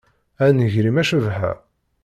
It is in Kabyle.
A nnger-im, a Cabḥa!